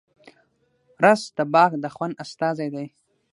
رس د باغ د خوند استازی دی